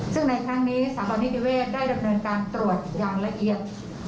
ซึ่งในครั้งนี้สถาบันนิติเวศได้ดำเนินการตรวจอย่างละเอียด